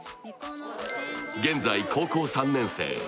現在高校３年生。